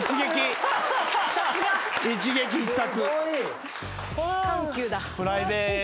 一撃必殺。